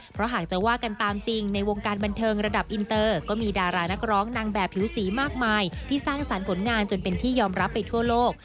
เพราะหากจะว่ากันตามจริงในวงการบันเทิงระดับอินเตอร์ก็มีดารานักร้องนางแบบผิวสีมากมายที่สร้างสรรค์ผลงานจนเป็นที่ยอมรับไปทั่วโลก